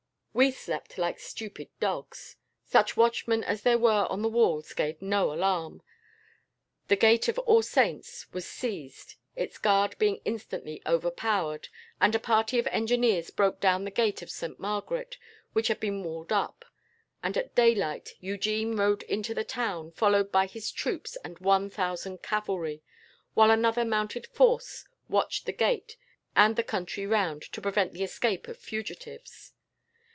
"We slept like stupid dogs. Such watchmen as there were on the walls gave no alarm. The gate of All Saints was seized, its guard being instantly overpowered, and a party of engineers broke down the gate of Saint Margaret, which had been walled up; and at daylight Eugene rode into the town, followed by his troops and one thousand cavalry; while another mounted force watched the gate, and the country round, to prevent the escape of fugitives.